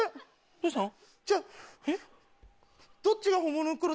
どうしたの？